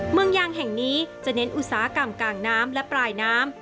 เมืองยางแห่งนี้จะเน้นอุตสาหกรรมกลางน้ำและปลายน้ำ